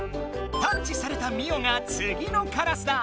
タッチされたミオがつぎのカラスだ。